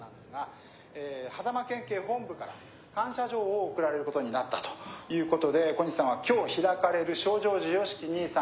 「狭間県警本部から感謝状を贈られることになったということで小西さんは今日開かれる賞状授与式に参加予定だということです」。